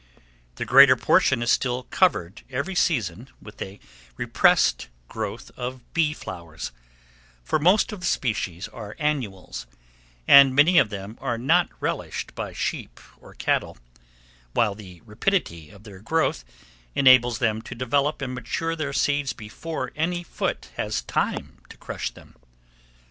The greater portion is still covered every season with a repressed growth of bee flowers, for most of the species are annuals, and many of them are not relished by sheep or cattle, while the rapidity of their growth enables them to develop and mature their seeds before any foot has time to crush them.